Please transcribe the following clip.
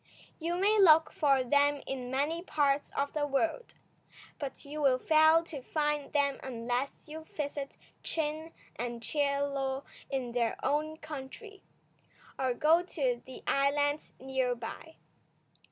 You may look for them in many parts of the world, but you will fail to find them unless you visit Chin and Chie Lo in their own country, or go to the islands near by.